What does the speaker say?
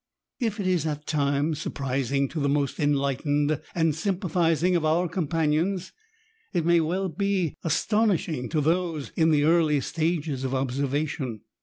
If it is at times surprising to the most enlightened and sympa thising of our companions, it may well be asto nishing ta those in the early stages of observation.